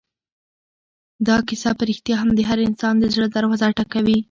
دا کیسه په رښتیا هم د هر انسان د زړه دروازه ټکوي.